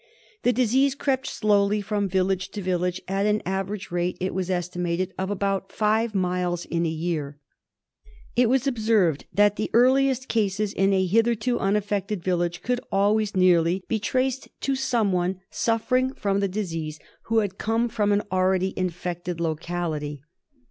The disease crept slowly from village to village at an average rate, it was estimated, of about five miles a year.* It was observed that the earliest cases in a hitherto un affected village could nearly always be traced to someone suffering from the disease who had come from an already infected locality.